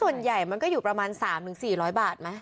ส่วนใหญ่มันก็อยู่ประมาณ๓๔๐๐บาทไหม